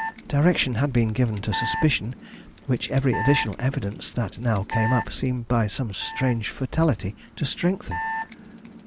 Direction had been given to suspicion which every additional evidence that now came up seemed by some strange fatality to strengthen.